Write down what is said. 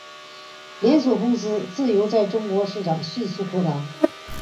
连锁公司自此在中国市场迅速扩张。